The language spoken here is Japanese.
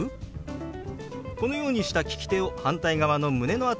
このようにした利き手を反対側の胸の辺りからこう動かします。